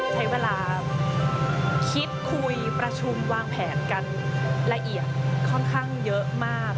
ใช้เวลาคิดคุยประชุมวางแผนกันละเอียดค่อนข้างเยอะมาก